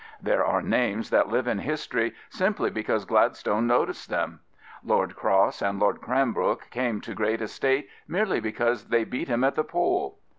There are names that live in history simply because Gladstone noticed them. Lord Cross and Lord Cranbrook came to great estate merely because they beat him at the poll.